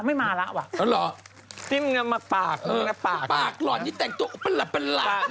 ไม่มาแล้วว่ะที่มึงมักปากมึงมักปากปากหล่อนยังแต่งตัวประหลาดประหลาด